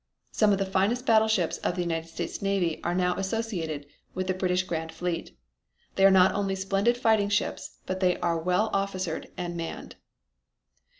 Some of the finest battleships of the United States Navy are now associated with the British Grand fleet. They are not only splendid fighting ships but they are well officered and manned."